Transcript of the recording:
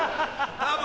多分。